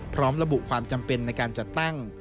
พร้อมระบุความจำเป็นในการจัดตั้ง